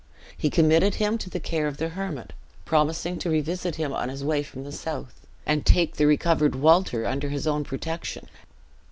He committed him to the care of the hermit, promising to revisit him on his way from the south, and take the recovered Walter under his own protection.